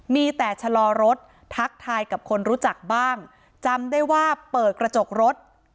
มีแต่ชะลอรถทักทายกับคนรู้จักบ้างจำได้ว่าเปิดกระจกรถ